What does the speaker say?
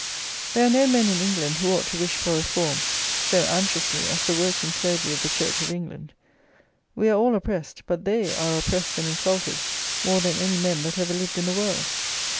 There are no men in England who ought to wish for reform so anxiously as the working clergy of the church of England; we are all oppressed; but they are oppressed and insulted more than any men that ever lived in the world.